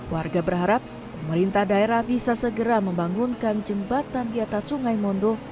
warga berharap pemerintah daerah bisa segera membangunkan jembatan di atas sungai mondo